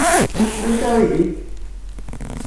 Anta ihi?